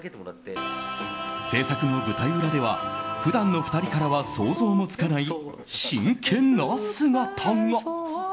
制作の舞台裏では普段の２人からは想像もつかない真剣な姿が。